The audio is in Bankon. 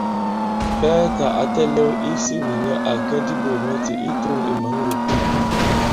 Bɛtà ǎ tɛ̄lɛ̄w isī nì nyɛ à kɛ diɓogìmɛtì i tûŋ ì mǎn wě Pên.